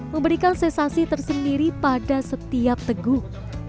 memberikan sensasi tersendiri pada setiap teguh